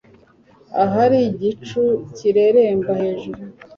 Ahari igicu kireremba hejuru